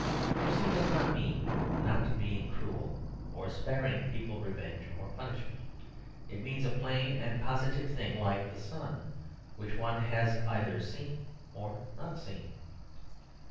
Mercy does not mean not being cruel or sparing people revenge or punishment; it means a plain and positive thing like the sun, which one has either seen or not seen.